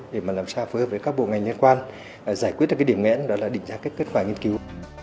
để mà làm sao phối hợp với các bộ ngành liên quan giải quyết được cái điểm ngẽn đó là định giá các kết quả nghiên cứu